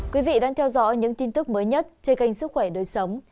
quý vị đang theo dõi những tin tức mới nhất trên kênh sức khỏe đời sống